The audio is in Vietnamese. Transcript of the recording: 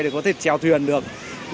để có thể trèo thuyền được